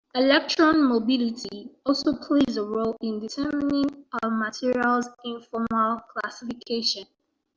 Electron mobility also plays a role in determining a material's informal classification.